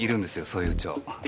そういう蝶。